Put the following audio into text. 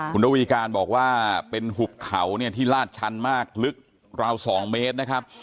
คุณระวีการบอกว่าเป็นหุบเขาเนี่ยที่ลาดชันมากลึกราว๒เมตรนะครับ